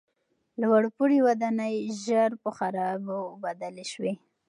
لوړپوړي ودانۍ ژر په خرابو بدلې شوې.